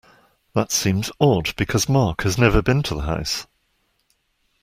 That seems odd because Mark has never been to the house.